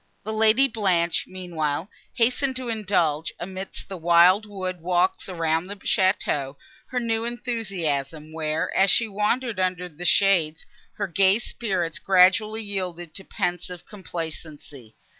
The Lady Blanche, meanwhile, hastened to indulge, amidst the wild wood walks around the château, her new enthusiasm, where, as she wandered under the shades, her gay spirits gradually yielded to pensive complacency.